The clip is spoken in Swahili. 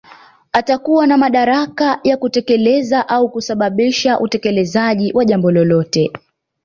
Atakuwa na madaraka ya kutekeleza au kusababisha utekelezaji wa jambo lolote